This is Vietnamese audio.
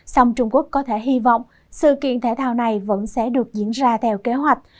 song trung quốc có thể hy vọng sự kiện thể thao này vẫn sẽ được diễn ra theo kế hoạch